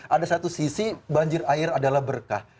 ada satu sisi banjir air adalah berkah